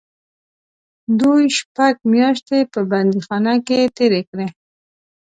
دوی شپږ میاشتې په بندیخانه کې تېرې کړې.